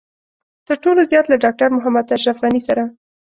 تر ټولو زيات له ډاکټر محمد اشرف غني سره.